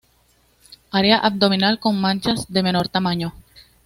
Area abdominal con manchas de menor tamaño.